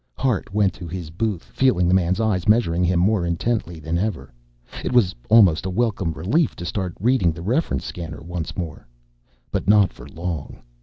Hart went to his booth, feeling the man's eyes measuring him more intently than ever. It was almost a welcome relief to start reading the reference scanner once more. But not for long.